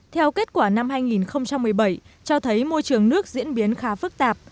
theo kết quả năm hai nghìn một mươi bảy cho thấy môi trường nước diễn biến khá phức tạp